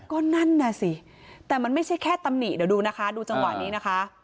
ก็นั่นน่ะสิแต่มันไม่ใช่แค่ตำหนิเดี๋ยวดูนะคะดูจังหวะนี้นะคะ